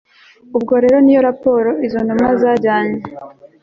ubwo rero niyo raporo izo ntumwa zajyanye